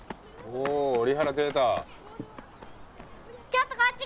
おお。